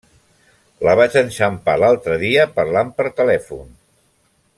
La vaig enxampar l’altre dia parlant per telèfon.